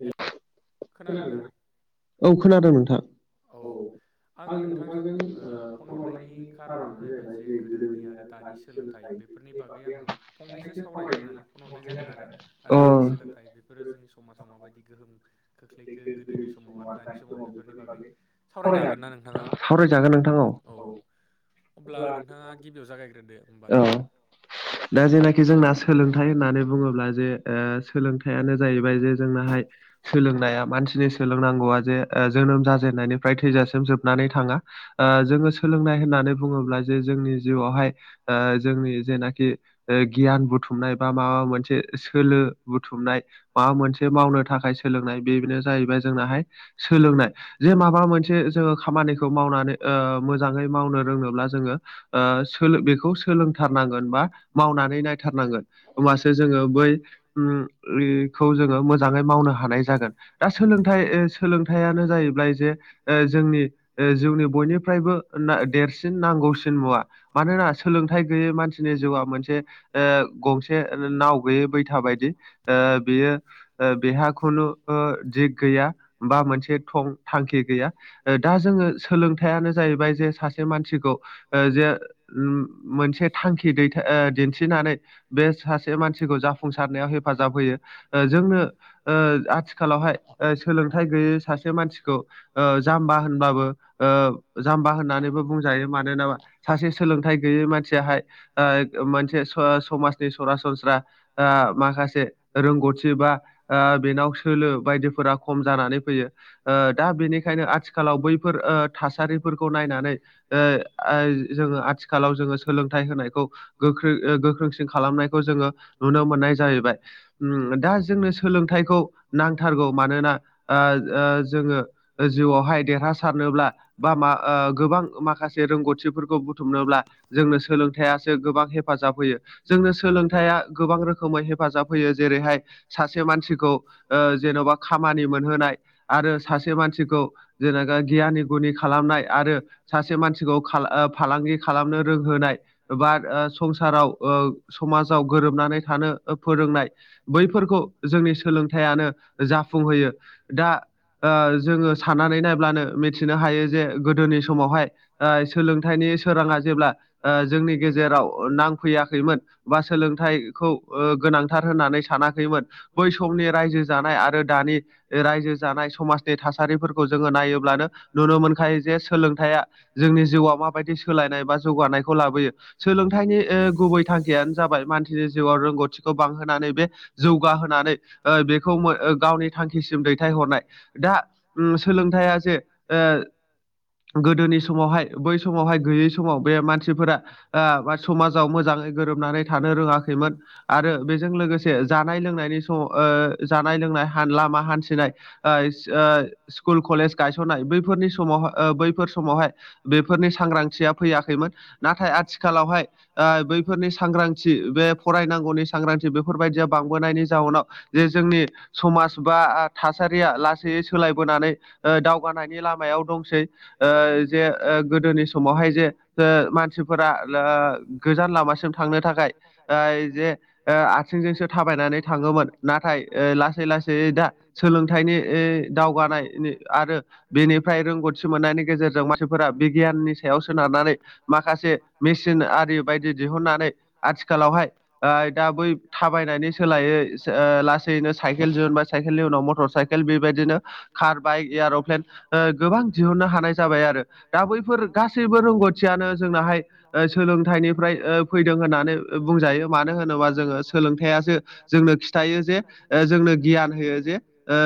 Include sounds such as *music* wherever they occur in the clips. Hello *unintelligible* खोनादोंना औ खोनादों नोंथां औ आङो नोंथांजों ओ फन हरनायनि खारनानो जाहैबाय जे गोदोनि आरो दानि सो सोलोंथाइ बेफोरनि बागै आङो फंनैसो सावरायनो होननानै फन हरनाय जादों आरो जि सोलोंथाइ बेफोरो जोंनि समाजाव माबायदि गोहोम खोख्लैखो गोदोनि समाव आरो दानि समाव बेफोरनि बागै सावरायनो हागोन ना नोंथाङा? औ अब्ला नोंथाङा गिबियाव जागायग्रोदो होमबालाय। दा जेनाखि जोंना सोलोंथाइ होननानै बुङोब्ला जे ओ सोलों थाइयानो जाहैबाय जे जोंनाहाय सोलोंनाया मानसिनि सोलोंनांगौआ जे जोनोम जाजेननायनिफ्राय थैजासिम जोबनानै थाङा जोङो सोलोंनाय होननानै बुङोब्ला जे जोंनि जिउआवहाय जोंनि जेनाखि गियान बुथुमनाय बा माबा मोनसे सोलो बुथुमनाय माबा मोनसे मावनो थाखायसो बेनो जाहैबाय जोंनाहाय सोलोंनाय जे माबा मोनसे जोङो खामानिखौ मावनानै मोजाङै मावनो रोंङोब्ला जोङो ओ सोल बेखौ सोलोंथारनांगोन बा मावनानै नायथारनांगोन। होमबासो जोङो बैखौ उम एखौ जोङो मोजाङै मावनो हा हानाय जागोन दा सोलोंथाइ ओ सोलोंथाइयानो जाहैबाय जे ओ जोंनि ओ जिउनि बयनिफ्रायबो ना देरसिन नांगौसिन मुवा। मानोना सोलोंथाइ गैयै मानसिनि जिउआ मोनसे ओ गंसे न-नाव गैयै बैथा बायदि ओ बेयो ओ बेहा खुनु ओ दिग गैया बा मोनसे थं थांखि गैया दा जोङो सोलोंथायाइानो जाहैबाय जे सासे मानसिखौ जे मोनसे थांखि दैथाइ दिन्थिनानै बे सासे मानसिखौ जाफुंसारनायाव हेफाजाब होयो जोंनो आथिखालावहाय सोलोंथाइ गैयै सासे मानसिखौ जाम्बा होनबाबो जाम्बा होननानैबो बुंजायो मानोना सासे सोलोंथाइ गैयै मानसियाहाय मोनसे समाजनि सरासनस्रा माखासे रोंगौथि बा बेनाव सोलो बायदिफोरा खम जानानै फैयो दा बेनिखायनो आथिखाल आथिखालाव बैफोर थासारिफोरखौ नायनानै जोङो आथिखालाव जोङो सोलोंथाइ होनायखौ गोख्र गोख्रोंसिन खालामनायखौ जोङो नुनो मोननाय जाहैबाय दा जोंनो सोलोंथाइखौ नांथारगौ मानोना जोङो जिउआवहाय देरहासारनोब्ला बा मा गोबां माखासे रोंगौथिफोरखौ बुथुमनोब्ला जोंनो सोलोंथाइसो गोबां हेफाजाब होयो जोंनो सोलोंथायाइा गोबां रोखोमै हेफाजाब होयो जेरैहाय सासे मानसिखौ जेन'बा खामानि मोनहोनाय आरो सासे मानसिखौ जेनेबा गियानि गुनि खालामनाय आरो सासे मानसिखौ खा फालांगि खालामनो रोंहोनाय बा संसाराव समाजाव गोरोबनानै थानो फोरोंनाय बैफोरखौ जोंनि सोलोंथाइयानो जाफुंहोयो दा जोङो साननानै नायब्लानो मिथिनो हायो जे गोदोनि समावहाय सोलोंथाइ नि सोराङा जेब्ला जोंनि गेजेराव नांफैयाखैमोन बा सोलोंथाइखौ गोनांथार होननानै सानाखैमोन। बै समनि रायजो जानाय आरो दानि रायजो जानाय समाजनि थासारिफोरखौ जोङो नायोब्लानो नुनो मोनखायो जे सोलोंथाइया जोंनि जिउआव मा बायदि सोलायनाय बा जौगानायखौ लाबो सोलोंथाइनि गुबै थांखियानो जाबाय मानसिनि जिउआव रोंगथि खौ बांहोनानै बे जौगाहो बेखौ गावनि थांखिसिम दैथायहरनाय दा सोलोंथाइया जे गोदोनि समावहाय बै समावहाय गैयै समाव बे मानसिफोरा समाजाव मोजाङै गोरोबनानै थानो रोङाखैमोन आरो बेजों लोगोसे जानाय लोंनायनि सम जानाय लोंनाय लामा हान्थिनाय स्कुल कलेज गायसननाय बैफोरनि समाव बैफोर समावहाय बेफोरनि सांग्रांथिया फैयाखैमोन नाथाय आथिखालावहाय बैफोरनि सांग्रांथि बे फरायनांगौनि सांग्रांथि बेफोरबायदिया बांबोनायनि जाउनाव जे जोंनि समाज बा थासारिया लासै सोलायबोनानै दावगानायनि लामायाव दंसै जे गोदोनि समावहाय जे जे मानसिफोरा ओ गोजान लामासिम थांनो थाखाय ओ जे ओ आथिंजोंसो थाबायनानै थाङोमोन। नाथाय ओ लासै लासै दा सोलोंथाइनि ओ दावगानायनि आरो बेनिफ्राय रोंगौथि मोननायनि गेजेरजों मानसिफोरा बिगियाननि नि सानानै माखासे न *inaudible* दा हाय आ दा बै थाबायनायनि सोलायै ओ लासैनो साइकेल दिहुनबाय साइकेलनि उनाव मटर साइकेल बेबायदिनो कार बाइक एयार'प्लेन ओ गोबां दिहुननो हानाय जाबाय आरो दा बैफोर गासै बो रोंगौथियानो जोंनाहाय सोलोंथाइनिफ्राय फैदों होननानै बुंजायो मानो होनोबा जोङो सोलोंथाइयासो जोंनो खिथा यो जे ओ जोंनो गियान होयो जे ओ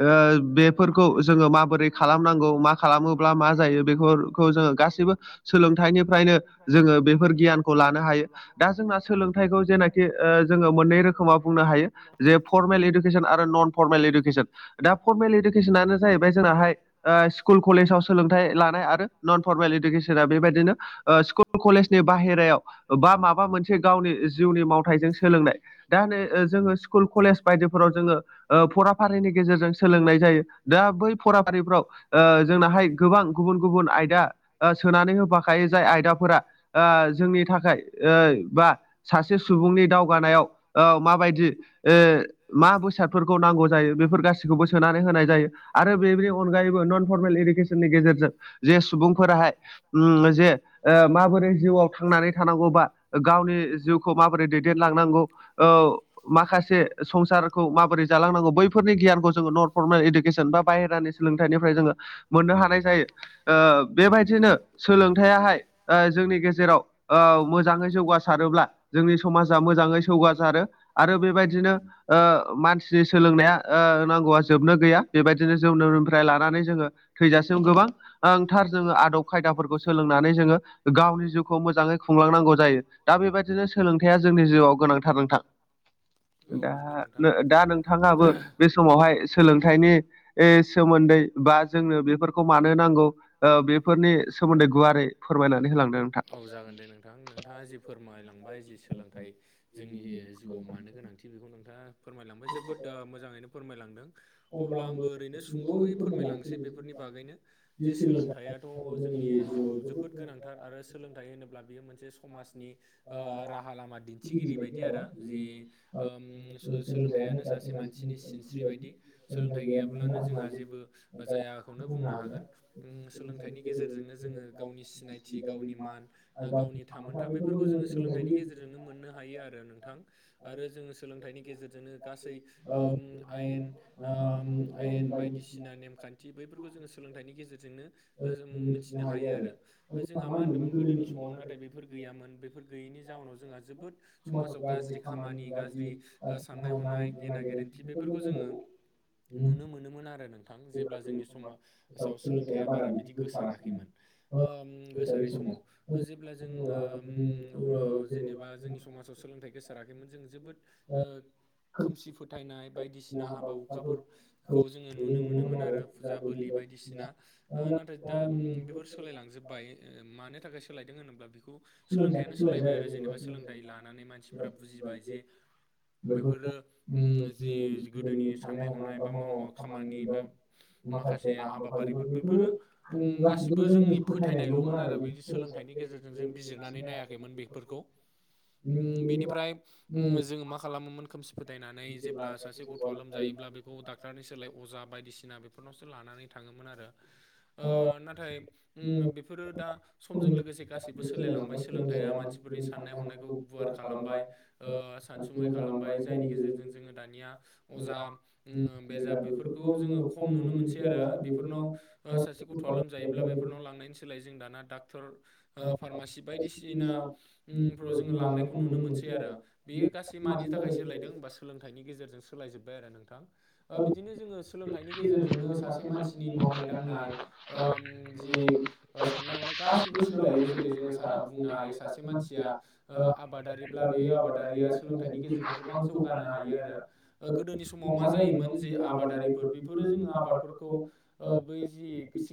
ओ बेफोरखौ जोङो जोङो माबोरै खालामनांगौ मा खालामोब्ला मा जायो बेखौ खौ जोङो गासैबो सोलोंथाइनिफ्रायनो जोङो बेफोर गियानखौ लानो हायो। दा जोंना सोलोंथाइखौ जेनेखि ओ जोङो मोननै रोखोम *unintelligible* बुंनो हायो जे फरमेल इदुकेसन आरो नन फरमेल इदुकेसन दाफरमेल इदुकेसन सनानो जाहैबाय जोंनाहाय ओ स्कुल कलेजाव सोलोंथाइ लानाय आरो नन फरमेल इडुकेसना बेबायदिनो ओ स्कुल कलेजनि बाहेरायाव बा माबा मोनसे गावनि जिउनि मावथायजों सोलोंनाय। दा नो ओ जोङो स्कुल कलेज बायदिफोराव जोङो ओ फराफारिनि गेजेरजों सोलोंनाय जायो। दा बै फराफारिफ्राव ओ जोंनाहाय गोबां गुबुन गुबुन आयदा *unintelligible* सोनानै होफाखायो जाय आयदाफोरा ओ जोंनि थाखाय ओ बा सासे सुबुंनि दावगानायाव औ माबायदि ओ मा बोसादफोरखौ नांगौ जायो बेफोर गासैखौबो सोनानै होनाय जायो। आरो बेनि अनगायैबो नन फरमेल इडुकेसननि गेजेरजों जे सु बुं फोराहाय उम जे ओ माबोरै जिउआव थांनानै थानांगौ बा गावनि जिउखौ माबोरै दैदेनलांनांगौ औ माखासे संसारखौ माबोरै जालांनांगौ बैफोरनि गियानखौ जोङो नन फरमेल इडुकेसन बा बाहेरानि सोलोंथाइनिफ्राय जोङो मोननो हानाय जायो। ओ बेबायदिनो सोलोंथाइयाहाय ओ जोंनि गेजेराव ओ मोजाङै जौगासारोब्ला जोंनि समाजा मोजाङै सौगा र आरो बेबायदिनो ओ मानसिनि सोलोंनाया ओ नांगौआ जोबनो गैया। बेबायदिनो जौनोमनिफ्राय लानानै जोङो थैजासिम गोबां आंथार जों आदब खायदाफोरखौ सोलोंनानै जोङो गावनि जिउखौ मोजाङै खुंलांनांगौ जायो। दा बेबायदिनो सोलोंथाइया जोंनि जिउआव गोनांथार नोंथां। दा दा नोंथाङाबो बे समावहाय सोलोंथाइनि ए सोमोन्दै बा जोंनो बेफोरखौ मानो नांगौ ओ बेफोरनि सोमोन्दै गुवारै फोरमायनानै होलांदों नोंथां। नोंथां नोंथाङा जि फोरमायलांबाय जि सोलोंथाइ जोंनि जिउआव मानो गोनांथि बेखौ नोंथाङा फोरमायलांबाय जोबोद ओ मोजाङैनो फोरमायलांदों। अब्ला आंबो ओरैनो सुंद'यै फोरमायलांनोसै बेफोरनि बागैनो जे सोलों थायाथ' जोंनि जिउआव जोबोद गोनांथार आरो सोलोंथाइ होनोब्ला बियो मोनसे समाजनि आ राहा लामा दिन्थिगिरि बायदि आरो जि ओम सो-सोलोंथाइयानो सासे मान सिनि सिनस्रि बायदि सोलोंथाइ गैयाब्लानो जोंहा जेबो जायाखौनो बुंनो हागोन उम सोलोंथाइनि गेजेरजोंनो जोङो गावनि सिनायथि गावनि मान ओ गावनि थामोनथा बेफोरखौ जोङो सोलोंथाइनि गेजेरजोंनो मोननो हायो आरो नोंथां। आरो जोङो सोलोंथाइनि गेजेरजोंनो गासै ओम आयेन ओम आयेन बायदिसिना नेमखान थि बैफोरखौ जोङो सोलोंथाइनि गेजेरजोंनो ओ जों मिथिनो हायो आरो। ओ जोंहा मा होनदोंमोन गोदोनि समाव नाथाय बेफोर गैयामोन बेफोर गैयैनि जाउनाव जोंहा जोबोद मस खामानि गाज्रि ओ साननाय हनाय गेना गेरेन्थि बेफोरखौ जोङो नुनो मोनोमोन आरो नोंथां जेब्ला जोंनि समासाव सोलोंथाइया बारा बिदि गोसाराखैमोन। ओ ओम गोसारि समाव जेब्ला जों ओ ओम ओ जेनेबा जोंनि समाजाव सोलोंथाइ गोसाराखैमोन जों जोबोद ओ खोमसि फोथायनाय बायदिसिना हाबा हुखाफोर खौ जोङो नुनो मोनोमोन आरो फुजा बोलि बायदिसिना नाथाय दा बेफोर सोलायलांजोब्बाय मानो थाखाय सोलायदों होनोब्ला बेखौ सोलोंथाइयानो सोलायबाय आरो जेनेबा सोलोंथाइ लानानै मानसिफोरा बुजिबाय जे बेफोरो जि गोदोनि साननाय हनाय बा माव खामानि बा माखासे हाबाफारिफोर बेफोरो उम गासिबो जोंनि फोथायनायल'मोन आरो बिदि सोलोंथाइनि गेजेरजों जों बि नानै नायाखैमोन बेफोरखौ उम बेनिफ्राय उम जों मा खालामोमोन खोमसि फोथायनानै जेब्ला सासे गथ'आ लोमजायोब्ला बेखौ डक्टारनि सोलाय अजा बायदिसिना बेफ टरनावसो लानानै थाङोमोन आरो ओ नाथाय उम बेफोरो दा समजों लोगोसे गासैबो सोलायलांबाय सोलोंथाइया मानसिफोरनि साननाय हनायखौ गुवार खालामबाय ओ सानसुमै खालामबाय जायनि गेजेरजों जोङो दानिया अजा उम बेजा बेफोरखौ जोङो खम नुनो मोनसै आरो बेफोरनाव ओ सासे गथ'आ लोमजायोब्ला बे फोरनाव लांनायनि सोलायै जों दाना डाक्टर ओ फार्मासि बायदिसिना उम फोराव जोङो लांनायखौ नुनो मोनसै आरो बेयो गासै मानि थाखाय सोलायदों होमबा सोलोंथाइनि गेजेरजों सोलायजोब्बाय आरो नोंथां। ओ बिदिनो जोङो सोलोंथाइनि गेजेरजोंनो सासे मानसिनि मावनाय दांनाय ओम जि ओ साननाय हनाय गासिबो सोलायो जेरै जोङो सा बुंनो हायो सासे मानसिया ओ आबादारिब्ला बे आबादारिया सोलोंथाइनि गेजेरजों गोबां जौगानो हायो आरो। ओ गोदोनि समाव मा जायोमोन जे आबादारिफोर बेफोरो जोङो आबादफोरखौ ओ बै जि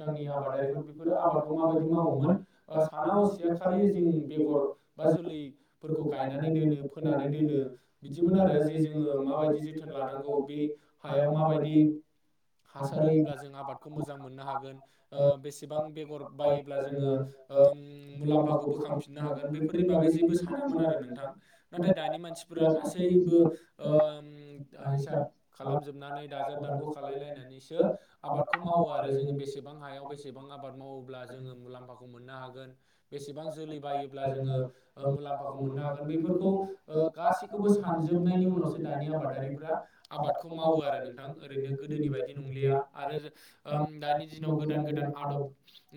गांनि आबादारिफोर बेफोरो आबादखौ माबायदि मावोमोन ओ साना हसिया खालि जों बेगर बा जोलैफोरखौ गायनानै दोनो फोनानै दोनो बिदिमोन आरो जि जोङो माबायदि जो थोन लानांगौ बे हायाव माबायदि हासार होयोब्ला जों आबादखौ मोजां मोननो हाग ओ बेसेबां बेगर बायोब्ला ओम मुलाम्फाखौ बोखांफि नो हागोन बेफोरनि बागै जेबो सानामोन आरो नोंथां नाथाय दानि मानसिफोरा गासैबो ओम हिसाब खालामजोबनानै दाजाब दानख' खालायलायलायनानैसो आबादखौ मावो आरो जोङो बेसे सेबां हायाव बेसेबां आबाद मावोब्ला जोङो मुलाम्फाखौ मोननो हागोन बेसेबां जोलै बायोब्ला जोङो ओ मुलाम्फाखौ मोननो हागोन बैफोरखौ ओ गासैखौबो सानजोबनायनि उनावसो दानि आबादारिफ्रा आबादखौ मावो आरो नोंथां ओरैनो गोदोनि बायदि नंलिया आरो ओम दानि दिनाव गोदान गोदान आदब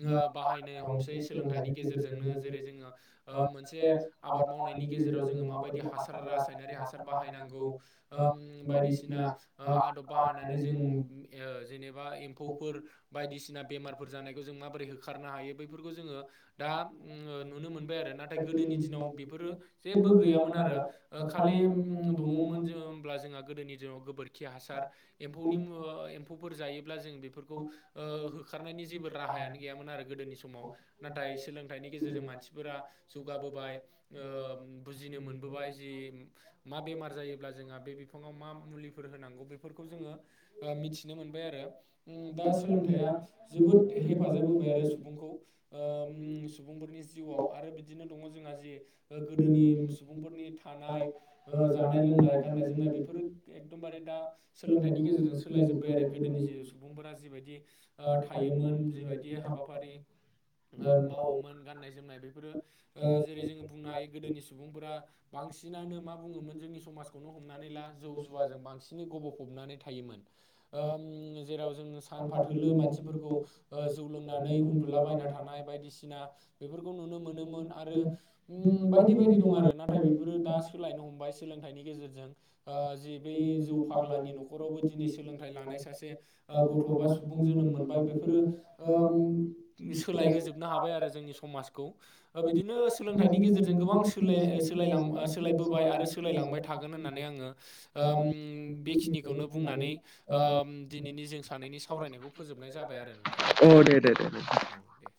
ओ बाहायनो हमसै सोलोंथाइनि गेजेरजोंनो जेरै जोङो ओ मोनसे आबाद मावनायनि गेजेराव जोङो माबायदि हासार रासायनारि हासार बाहायनांगौ ओम बायदिसिना ओ आदब बाहायनानै जों ओ जेनेबा एम्फौफोर बायदिसिना बेमारफोर जानायखौ जों माबोरै होखारनो हायो बैफोरखौ जोङो दा ओ नुनो मोनबाय आरो ना थाय गोदोनि दिनाव बेफोरो जेबो गैयामोन आरो खालि उम दङमोन जों होमब्ला जोंहा गोदोनि दिनाव गोबोरखि हासार एम्फौनि मु ओ एम्फौफोर जायोब्ला जों बेफोरखौ ओ होखारनायनि जेबो राहायानो गैयामोन आरो गोदोनि समाव। नाथाय सोलोंथाइनि गेजेरजों मानसिफोरा जौगाबोबाय ओ बुजिनो मोनबोबाय जि मा बेमार जायोब्ला जोंहा बे बिफाङाव मा मुलि फोर होनांगौ बेफोरखौ जोङो ओ मिथिनो मोनबाय आरो ओम दा सोलोंथया जोबोद हेफाजाब होबाय आरो सुबुं सुबुं ओ सुबुंफोरनि जिउआव आरो बिदिनो दङ जोंहा जि गोदोनि सुबुंफोरनि थानाय जानाय लोंनाय गाननाय जोमनाय बेफोरो एखदमबारे दा सोलोंथाइनि गेजेरजों सोलायजोब्बाय आरो गोदोनि जि सुबुंफोरा जिबायदि थायोमोन जिबायदि हाबाफारि मावोमोन गाननाय जोमनाय बेफोरो जेरै जोङो बुंनो हायो गोदोनि सुबुंफोरा बांसिनानो मा बुङोमोन जोंनि समाजखौनो हमनानै ला जौ जुवाजों बांसिन बिनो गबफबनानै थायोमोन ओ जेराव जोङो सानफाथोलो मानसिफोरखौ ओ जौ लोंनानै उन्दुलाबायायना थानाय बायदिसिना बेफोरखौ नुनो मोनोमोन आरो उम बायदि बायदि दं आरो नाथाय बेफोरो दा सोलायनो हमबाय सोलोंथाइनि गेजेरजों ओ जि बै जौ फाग्लानि न'खरावबो दिनै सोलोंथाइ लानाय सासे ओ गथ' बा खौ जोनोम मोनबाय बेफोरो ओ सोलायहजोबनो हाबाय आरो जोंनि समाजखौ। ओ बिदिनो सोलोंथाइनि गेजेरजों गोबां सोले सोलायलां ओ सोलायबोबाय आरो सोलायलांबाय थागोन होननानै आङो ओम बेखिनिखौनो बुंनानै ओम दिनैनि जों सानैनि सावरायनायखौ फोजोबनाय जाबाय आरो नोंथां औ दे।